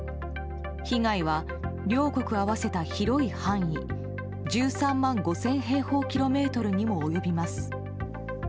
被害は両国合わせた広い範囲１３万５０００平方キロメートルにも及びます。